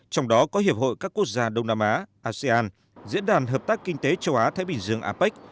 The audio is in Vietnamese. trong đó có hiệp hội các quốc gia đông nam á asean diễn đàn hợp tác kinh tế châu á thái bình dương apec